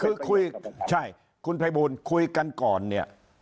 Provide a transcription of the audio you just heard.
คือคุยใช่คุณภัยบูลคุยกันก่อนเนี่ย